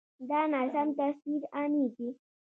دا ناسم تصویر عامېږي.